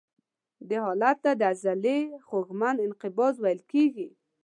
دې حالت ته د عضلې خوږمن انقباض ویل کېږي.